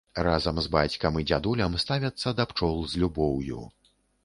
Разам з бацькам і дзядулям ставяцца да пчол з любоўю.